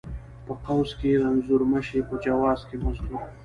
ـ په قوس کې رنځور مشې، په جواز کې مزدور.